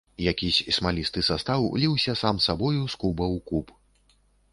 Якісь смалісты састаў ліўся сам сабою з куба ў куб.